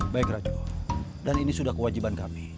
baik racun dan ini sudah kewajiban kami